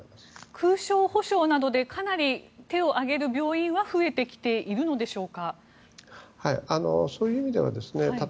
空床補償などでかなり手を挙げる病院は増えてきているのでしょうか。